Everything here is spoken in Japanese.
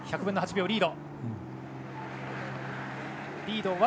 １００分の８秒リード。